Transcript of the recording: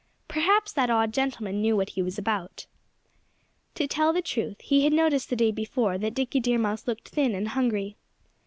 Perhaps that odd gentleman knew what he was about. To tell the truth, he had noticed the day before that Dickie Deer Mouse looked thin and hungry.